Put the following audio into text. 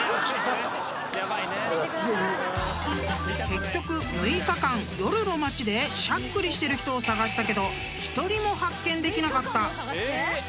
［結局６日間夜の街でしゃっくりしてる人を探したけど１人も発見できなかった］